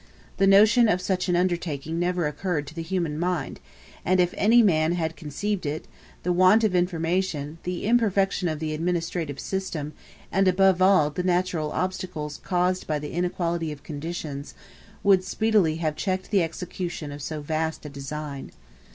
The notion of such an undertaking never occurred to the human mind; and if any man had conceived it, the want of information, the imperfection of the administrative system, and above all, the natural obstacles caused by the inequality of conditions, would speedily have checked the execution of so vast a design.